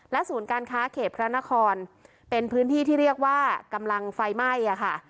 ศูนย์การค้าเขตพระนครเป็นพื้นที่ที่เรียกว่ากำลังไฟไหม้อะค่ะ